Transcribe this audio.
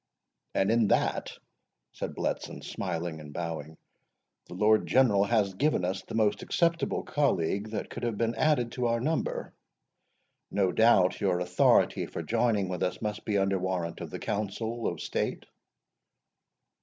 "And in that," said Bletson, smiling and bowing, "the Lord General has given us the most acceptable colleague that could have been added to our number. No doubt your authority for joining with us must be under warrant of the Council of State?"